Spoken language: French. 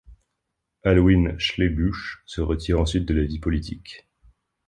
Alwyn Schlebusch se retire ensuite de la vie politique.